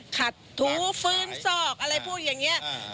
ขัดถูฟื้นซอกอะไรพูดอย่างนี้